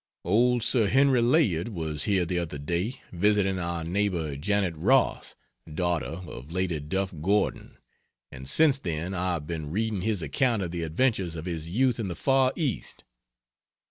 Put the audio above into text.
Old Sir Henry Layard was here the other day, visiting our neighbor Janet Ross, daughter of Lady Duff Gordon, and since then I have been reading his account of the adventures of his youth in the far East.